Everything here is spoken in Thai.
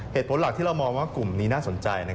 เหตุผลหลักที่เรามองว่ากลุ่มนี้น่าสนใจ